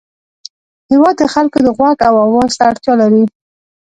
هېواد د خلکو د غوږ او اواز ته اړتیا لري.